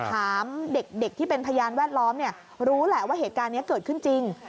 ถามเด็กที่เป็นพยานแวดล้อมรู้แหละว่าเหตุการณ์นี้เกิดขึ้นจริง